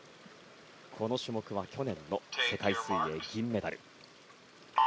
この種目は去年の世界水泳、銀メダル。